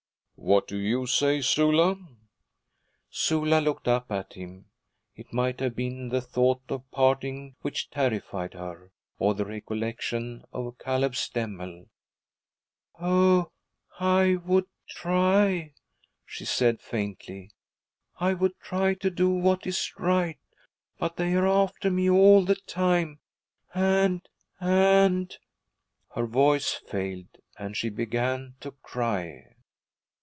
'What do you say, Sula?' Sula looked up at him. It might have been the thought of parting which terrified her, or the recollection of Caleb Stemmel. 'Oh, I would try,' she said faintly; 'I would try to do what is right. But they are after me all the time and and ' Her voice failed, and she began to cry.